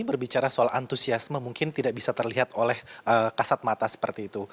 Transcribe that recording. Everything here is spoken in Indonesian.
berbicara soal antusiasme mungkin tidak bisa terlihat oleh kasat mata seperti itu